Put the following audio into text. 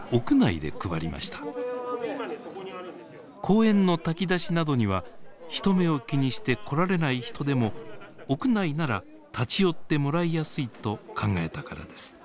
公園の炊き出しなどには人目を気にして来られない人でも屋内なら立ち寄ってもらいやすいと考えたからです。